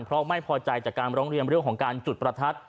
เพราะไม่พอใจจากการร้องเรียนเรื่องของการจุดประทัด